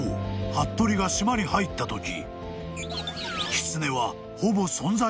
服部が島に入ったとき］